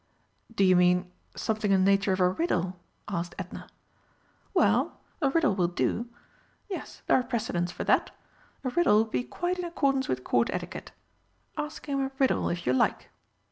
"Do you mean something in the nature of a riddle?" asked Edna. "Well, a riddle will do. Yes, there are precedents for that. A riddle would be quite in accordance with Court etiquette. Ask him a riddle if you like."